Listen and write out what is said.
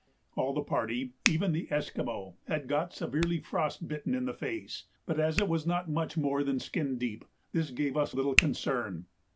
All the party, even the Esquimaux, had got severely frost bitten in the face, but as it was not much more than skin deep, this gave us little concern.